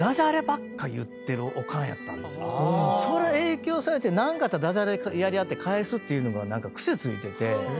それ影響されて何かあったらダジャレやり合って返すってのが何か癖ついてて。